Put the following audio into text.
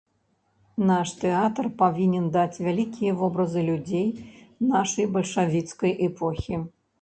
Наш тэатр павінен даць вялікія вобразы людзей нашай бальшавіцкай эпохі.